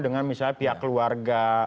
dengan misalnya pihak keluarga